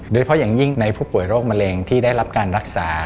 โดยเฉพาะอย่างยิ่งในผู้ป่วยโรคมะเร็งที่ได้รับการรักษา